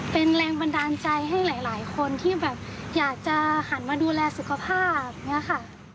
เป็นแรงบันดาลใจให้หลายคนที่อยากจะหันมาดูแลสุขภาพ